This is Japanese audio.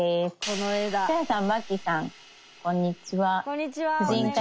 こんにちは。